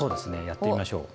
やってみましょう。